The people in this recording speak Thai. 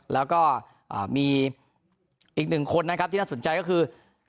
แล้วก็มีอีกหนึ่งคนนะครับที่น่าสนใจก็คือ